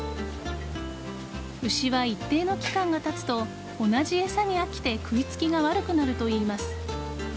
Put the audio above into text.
牛は一定の期間がたつと同じ餌に飽きて食いつきが悪くなるといいます。